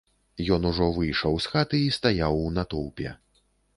Ён ужо выйшаў з хаты і стаяў у натоўпе.